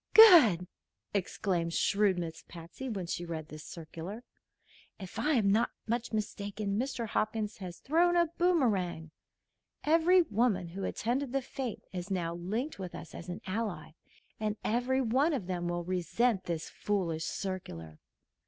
"Good!" exclaimed shrewd Miss Patsy, when she read this circular. "If I'm not much mistaken, Mr. Hopkins has thrown a boomerang. Every woman who attended the fête is now linked with us as an ally, and every one of them will resent this foolish circular."